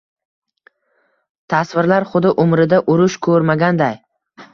Tasvirlar xuddi umrida urush ko’rmaganday.